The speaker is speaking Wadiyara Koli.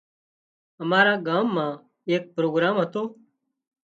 امارا ڳام مان ايڪ پروگرام هتو